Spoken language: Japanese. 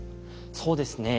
そうですね。